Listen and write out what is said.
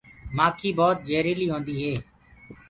مآکي ڀوت جهريلي هوندي هي۔